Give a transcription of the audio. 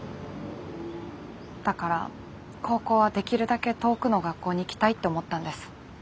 だから高校はできるだけ遠くの学校に行きたいって思ったんです。